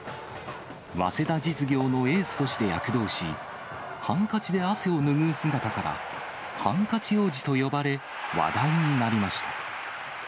早稲田実業のエースとして躍動し、ハンカチで汗を拭う姿から、ハンカチ王子と呼ばれ、話題になりました。